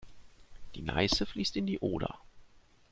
Die Neiße fließt in die Oder.